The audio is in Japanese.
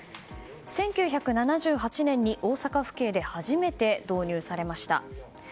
１９７８年に大阪府警で初めて導入されました。